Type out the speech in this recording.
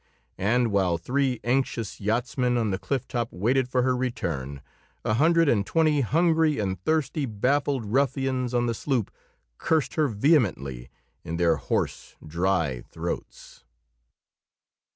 And while three anxious yachtsmen on the cliff top waited for her return, a hundred and twenty hungry and thirsty baffled ruffians on the sloop cursed her vehemently in their hoarse, dry throats.